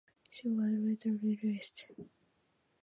She was later released.